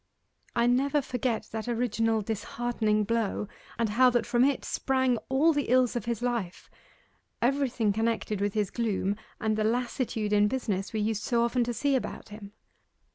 I never forget that original disheartening blow, and how that from it sprang all the ills of his life everything connected with his gloom, and the lassitude in business we used so often to see about him.